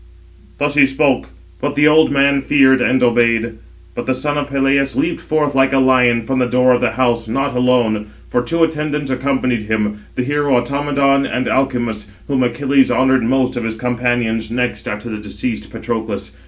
Thus he spoke; but the old man feared, and obeyed. But the son of Peleus leaped forth, like a lion, from the door of the house, not alone; for two attendants accompanied him, the hero Automedon, and Alcimus, whom Achilles honoured most of his companions next after the deceased Patroclus.